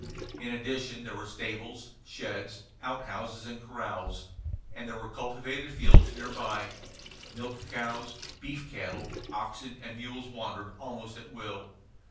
In addition, there were stables, sheds, outhouses, and corrals; and there were cultivated fields near by. Milch cows, beef cattle, oxen, and mules wandered almost at will.